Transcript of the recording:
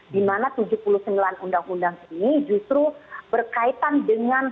di mana tujuh puluh sembilan undang undang ini justru berkaitan dengan